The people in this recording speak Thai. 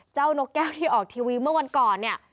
นกแก้วที่ออกทีวีเมื่อวันก่อนเนี่ย